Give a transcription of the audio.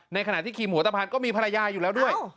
ในขณะที่ขี่หัวตะพานก็มีภรรยาอยู่แล้วด้วย